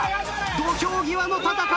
土俵際の戦い。